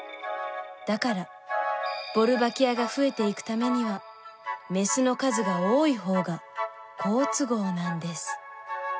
だからボルバキアが増えていくためにはメスの数が多い方が好都合なんです。